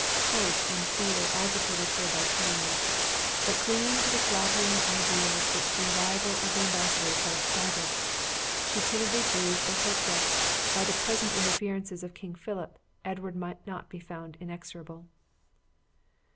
Hope and fear agitated her by turns; but clinging to the flattering ideas which the arrival of the embassadors had excited, she timidly breathed a hope that, by the present interferences of King Philip, Edward might not be found inexorable.